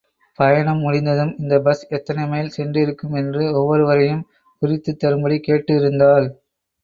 பயணம் முடிந்ததும் இந்த பஸ் எத்தனை மைல் சென்றிருக்கும் என்று ஒவ்வொருவரையும் குறித்துத் தரும்படி கேட்டு இருந்தாள்.